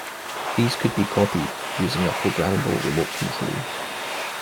These could be copied using a programmable remote control.